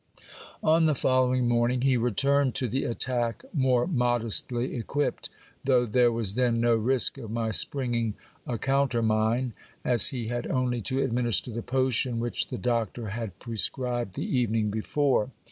On the following morning he returned to the attack more modestly equipped, though there was then no risk of my springing a countermine, as he had only to administer the potion which the doctor had prescribed the evening be fore.